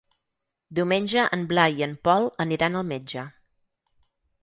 Diumenge en Blai i en Pol aniran al metge.